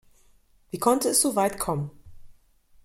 Wie konnte es so weit kommen?